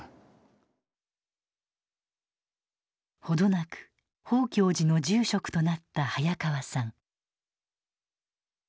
程なく宝鏡寺の住職となった早川さん。